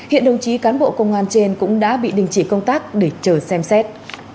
hiện đồng chí cán bộ công an trên cũng đã bị đình chỉ công tác để chờ xem xét